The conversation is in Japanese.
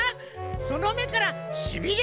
そのめからしびれ